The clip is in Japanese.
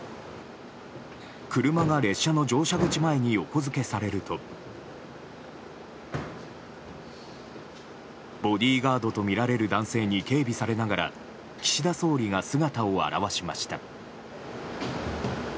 車が列車の乗車口前に横付けされるとボディーガードとみられる男性に警備されながら岸田総理が姿を現しました。